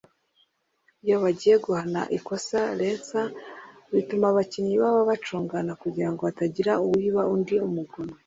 Iyo bagiye guhana ikosa (lancer) bituma abakinnyi baba bacungana kugira ngo hatagira uwiba undi umugono